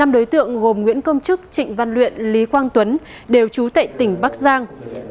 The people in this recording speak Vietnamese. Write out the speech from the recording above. năm đối tượng gồm nguyễn công chức trịnh văn luyện lý quang tuấn đều trú tại tỉnh bắc giang